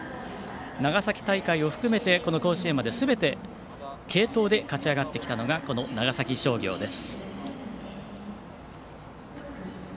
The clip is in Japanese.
長崎大会を含めてこの甲子園まで、すべて継投で勝ち上がってきたのが長崎商業です。